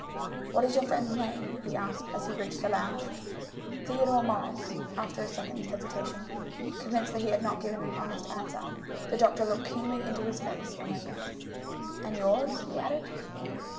"What is your friend's name?" he asked as he reached the lounge. "Theodore Morris," after a second's hesitation. Convinced that he had not given an honest answer, the doctor looked keenly into his face a moment; "and yours?" he added.